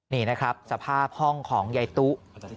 นี่นะครับสภาพห้องของยายตุ